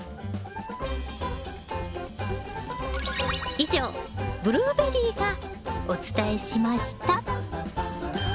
以上ブルーベリーがお伝えしました。